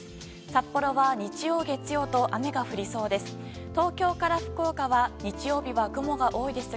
札幌は日曜、月曜と雨が降りそうです。